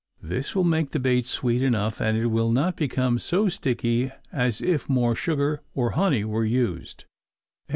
This will make the bait sweet enough and it will not become so sticky as if more sugar or honey were used.